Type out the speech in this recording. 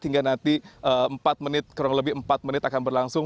hingga nanti empat menit kurang lebih empat menit akan berlangsung